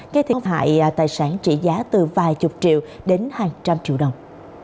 gây thiệt hại tài sản trị giá từ vài chục triệu đến hàng trăm triệu đồng